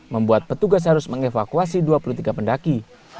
membuat petugas harus mengevakuasi dua puluh tiga pendaki